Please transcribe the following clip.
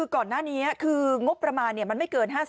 ก่อนหน้านี้มันไม่เกิน๕๐๐๐๐๐บาท